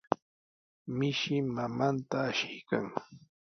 Mishi mamanta ashiykan.